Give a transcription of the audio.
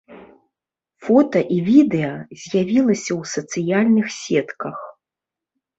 Фота і відэа з'явіліся ў сацыяльных сетках.